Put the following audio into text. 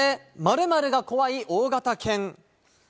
〇〇が怖い大型犬。